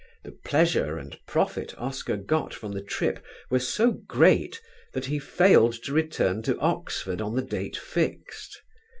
The pleasure and profit Oscar got from the trip were so great that he failed to return to Oxford on the date fixed.